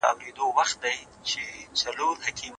ماشوم بیا بیا د ونې هغې څانګې ته خپل لاس ور نږدې کاوه.